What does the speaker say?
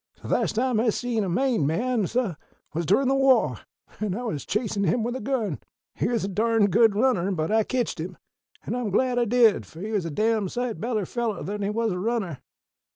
"_The last time I see a Maine man, suh, was durin' the wah, an' I was chasin' him with a gun. He was a darned good runner; but I ketched him, an' I'm glad I did, fo' he was a dam sight better feller than he was a runner!